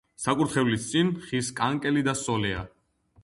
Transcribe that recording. საკურთხევლის წინ ხის კანკელი და სოლეაა.